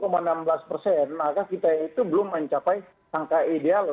maka kita itu belum mencapai angka ideal